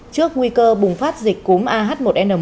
trước nguy cơ bùng phát dịch cúm ah một n một